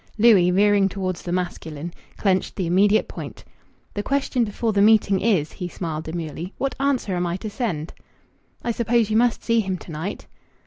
Louis, veering towards the masculine, clenched the immediate point "The question before the meeting is," he smiled demurely, "what answer am I to send?" "I suppose you must see him to night."